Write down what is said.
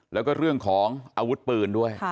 แล้วก็เรื่องของอาวุธปืนด้วย